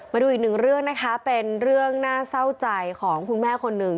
มาดูอีกหนึ่งเรื่องนะคะเป็นเรื่องน่าเศร้าใจของคุณแม่คนหนึ่ง